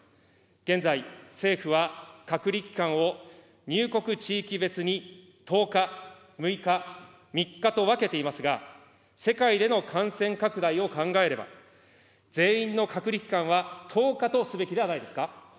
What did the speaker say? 現在、政府は隔離期間を入国地域別に１０日、６日、３日と分けていますが、世界での感染拡大を考えれば、全員の隔離期間は１０日とすべきではないですか。